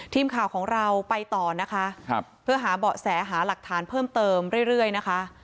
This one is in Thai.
ทีมข่าวของเราไปต่อนะคะเพื่อหาเบาะแสหาหลักฐานเพิ่มเติมเรื่อยนะคะ